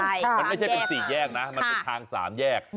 มันไม่ใช่เป็น๔แยกนะมันเป็นทาง๓แยก